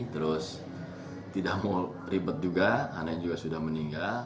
terus tidak mau ribet juga karena sudah meninggal